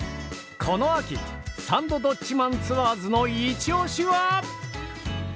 この秋「サンドどっちマンツアーズ」のイチオシは？